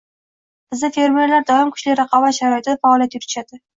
Bizda fermerlar doim kuchli raqobat sharoitida faoliyat yuritishadi.